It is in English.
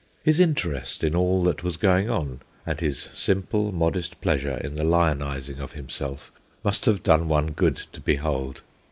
His interest in all that was going on, and his simple, modest pleasure in the lionising of himself, must have done one good to behold.